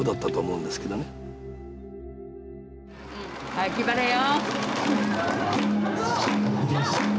はい気張れよ！